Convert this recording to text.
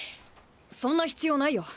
そんな必要ないよ。